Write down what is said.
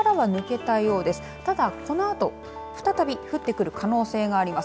ただ、このあと再び降ってくる可能性があります。